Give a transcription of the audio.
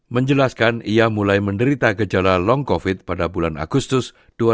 menjelaskan ia mulai menderita gejala long covid pada bulan agustus dua ribu dua puluh